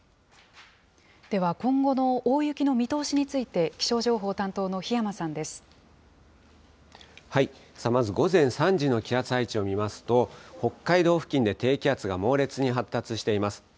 では今後の大雪の見通しについて、気象情報担当の檜山さんでまず午前３時の気圧配置を見ますと、北海道付近で低気圧が猛烈に発達しています。